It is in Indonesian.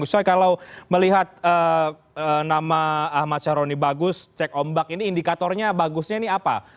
usai kalau melihat nama ahmad syahroni bagus cek ombak ini indikatornya bagusnya ini apa